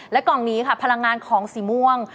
และกล่องนี้ค่ะพลังงานของสีม่วง